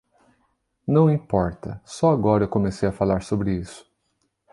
Não importa, só agora eu comecei a falar sobre isso.